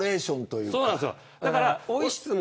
そうなんですよ。